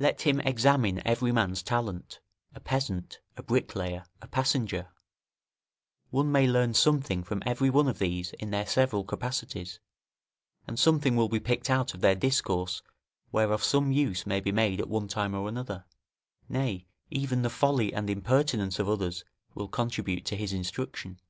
Let him examine every man's talent; a peasant, a bricklayer, a passenger: one may learn something from every one of these in their several capacities, and something will be picked out of their discourse whereof some use may be made at one time or another; nay, even the folly and impertinence of others will contribute to his instruction.